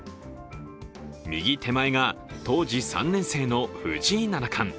右手前が当時３年生の藤井七冠。